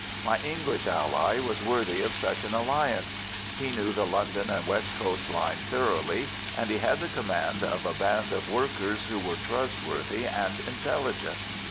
My English ally was worthy of such an alliance. He knew the London and West Coast line thoroughly, and he had the command of a band of workers who were trustworthy and intelligent.